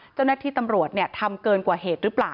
เจ้านักทีตำรวจทำเกินกว่าเหตุร